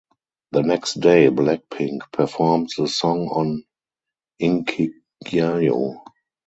The next day Blackpink performed the song on "Inkigayo".